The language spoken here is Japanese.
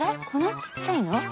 このちっちゃいの？